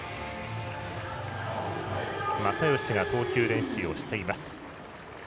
又吉が投球練習をしています。